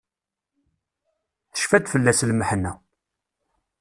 Tecfa-d fell-as lmeḥna.